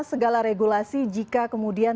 segala regulasi jika kemudian